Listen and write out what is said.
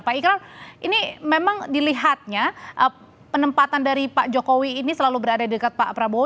pak ikral ini memang dilihatnya penempatan dari pak jokowi ini selalu berada di dekat pak prabowo